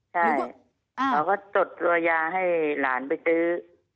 ใช่เขาก็จดรัวยาให้หลานไปซื้อ